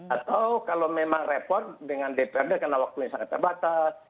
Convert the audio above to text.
atau kalau memang repot dengan dprd karena waktunya sangat terbatas